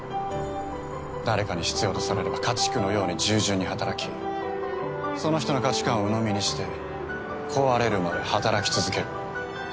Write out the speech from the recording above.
誰かに必要とされれば家畜のように従順に働きその人の価値観をうのみにして壊れるまで働き続ける。